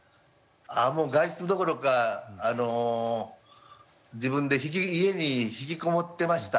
ああもう外出どころかあの自分で家に引きこもってました。